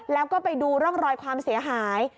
แล้วก็ไปดูร่องรอยความเสียหาย